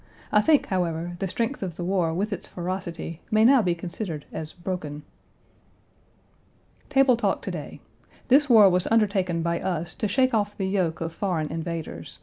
I think, however, the strength of the war with its ferocity may now be considered as broken." Table talk to day: This war was undertaken by us to shake off the yoke of foreign invaders.